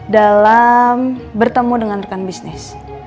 dalam bertemu dengan rekan bisnis